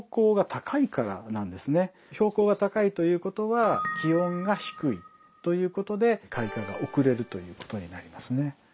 標高が高いということは気温が低いということで開花が遅れるということになりますね。